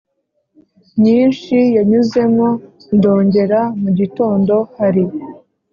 myinshi yanyuzemo ndongera mugitondo hari